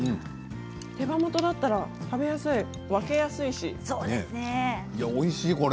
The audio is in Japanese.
手羽元だと食べやすい分けやすいし。